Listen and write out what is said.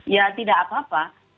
ya tidak apa apa